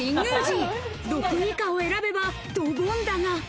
６位以下を選べばドボンだが。